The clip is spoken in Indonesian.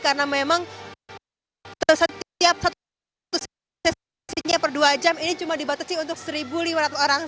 karena memang setiap satu sesi per dua jam ini cuma dibatasi untuk seribu lima ratus orang